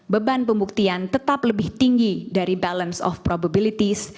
beban pembuktian tetap lebih tinggi dari balance of probabilities